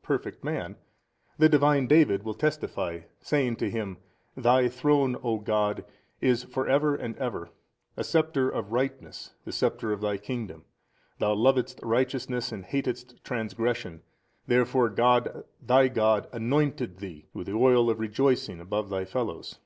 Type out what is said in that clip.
perfect man, the Divine David will testify saying to Him, Thy Throne o God is for ever and ever, a sceptre of Tightness the sceptre of Thy Kingdom: Thou lovedst righteousness and hatedst transgression wherefore God Thy God anointed Thee with the oil of rejoicing above Thy fellows.